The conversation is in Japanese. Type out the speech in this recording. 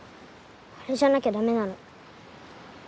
あれじゃなきゃ駄目なの。